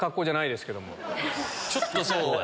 ちょっとそう。